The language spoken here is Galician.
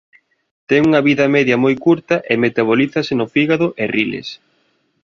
Ten unha vida media moi curta e metabolízase no fígado e riles.